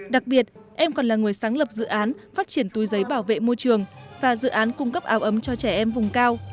đặc biệt em còn là người sáng lập dự án phát triển túi giấy bảo vệ môi trường và dự án cung cấp áo ấm cho trẻ em vùng cao